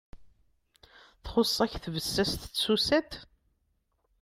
Txus-ak tbessast d tsusat?